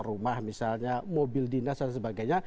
rumah misalnya mobil dinas dan sebagainya